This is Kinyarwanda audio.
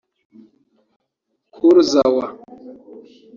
Kurzawa